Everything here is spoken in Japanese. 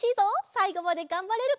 さいごまでがんばれるか？